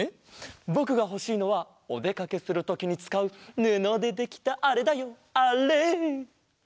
ぼくがほしいのはおでかけするときにつかうぬのでできたあれだよあれ。